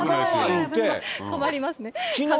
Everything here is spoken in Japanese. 困りますね。